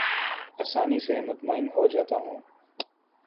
آسانی سے مطمئن ہو جاتا ہوں